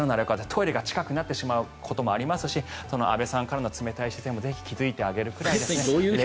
トイレが近くなってしまうこともありますし安部さんからの冷たい視線もぜひ気付いてあげるぐらいに。